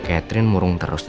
ada pingsan emak pentang